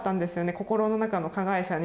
心の中の加害者に。